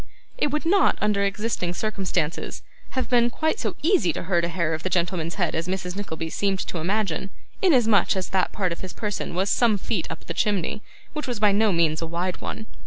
It would not, under existing circumstances, have been quite so easy to hurt a hair of the gentleman's head as Mrs. Nickleby seemed to imagine, inasmuch as that part of his person was some feet up the chimney, which was by no means a wide one.